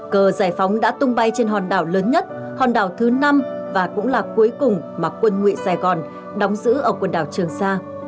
cờ giải phóng đã tung bay trên hòn đảo lớn nhất hòn đảo thứ năm và cũng là cuối cùng mà quân nguyện sài gòn đóng giữ ở quần đảo trường sa